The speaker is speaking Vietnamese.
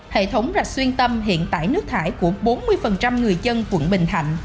hệ thống rạch xuyên tâm hiện tại nước thải của bốn mươi người dân quận bình thạnh